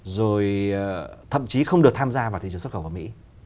rồi thậm chí không được tham gia vào thị trường xuất khẩu của mỹ